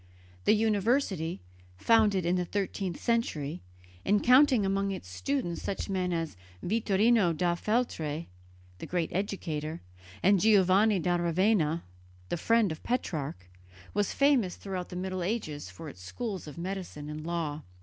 The university, founded in the thirteenth century, and counting among its students such men as Vittorino da Feltre, the great educator, and Giovanni da Ravenna, the friend of Petrarch, was famous throughout the Middle Ages for its schools of medicine and of law.